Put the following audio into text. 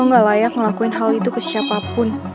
lo nggak layak ngelakuin hal itu ke siapapun